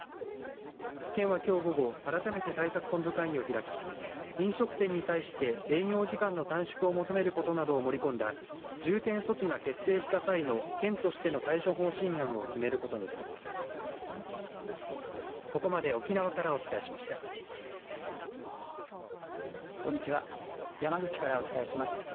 県は、きょう午後改めて対策本部会議を開き飲食店に対して営業時間の短縮を求めることなどを盛り込んだ重点措置が決定した際の県としての対処方針案を決めることにしています。